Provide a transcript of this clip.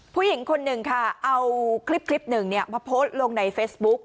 ผู้หญิงคนหนึ่งค่ะเอาคลิปหนึ่งมาโพสต์ลงในเฟซบุ๊ก